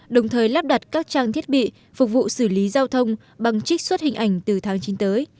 đồng thời lắp đặt các trang thiết bị phục vụ xử lý giao thông bằng trích xuất hình ảnh từ tháng chín tới